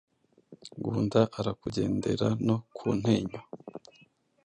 Ngunda arakugendera no ku Ntenyo,